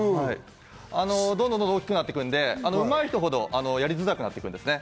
どんどん大きくなってくるので、上手い人ほどやりづらくなってくるんですね。